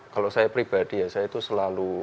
kalau saya pribadi ya saya itu selalu